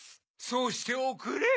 そうしておくれ。